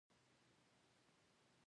هر بزگر په کور کې څاروي لري.